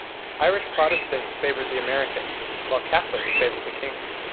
Irish Protestants favored the Americans, while Catholics favored the King.